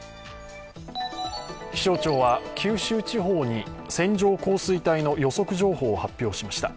気象庁は九州地方に線状降水帯の予測情報を発表しました。